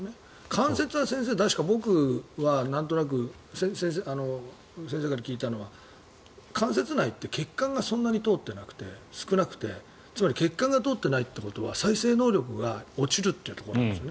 関節は先生、僕はなんとなく先生から聞いたのは関節内って血管が通ってなくて少なくてつまり血管が通っていないということは再生能力が落ちるというところなんです。